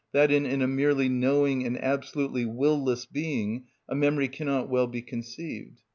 _, in a merely knowing and absolutely will less being, a memory cannot well be conceived.